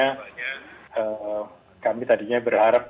kami tadinya berharap itu memang berhasil dikaitkan dengan penemuan herbalnya